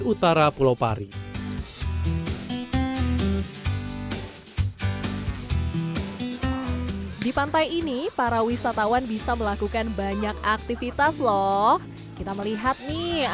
utara pulau pari di pantai ini para wisatawan bisa melakukan banyak aktivitas loh kita melihat nih